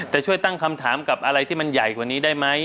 จะช่วยตั้งคำถามกับอะไรที่มันใหญ่กว่านี้ได้ไหม